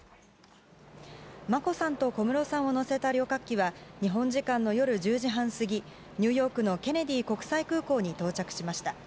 眞子さんと小室さんを乗せた旅客機は日本時間の夜１０時半過ぎニューヨークのケネディ国際空港に到着しました。